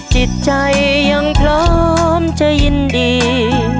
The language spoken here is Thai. จิตใจยังพร้อมจะยินดี